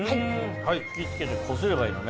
吹き付けてこすればいいのね？